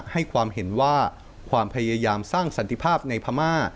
ให้ความเห็นว่าความพยายามสร้างสันติภาพในพม่า